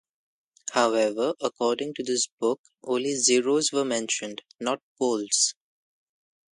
However, according to this book, only zeroes were mentioned, not poles.